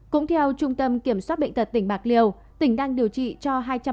cũng theo trung tâm kiểm soát bệnh tật tỉnh bạc liêu tỉnh đang điều trị cho hai trăm một mươi bốn